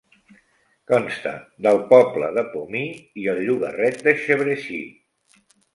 Consta del poble de Pomy i el llogarret de Chevressy.